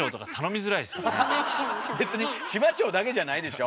別にシマチョウだけじゃないでしょ。